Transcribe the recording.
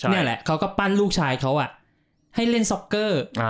นี่แหละเขาก็ปั้นลูกชายเขาให้เล่นซ็อกเกอร์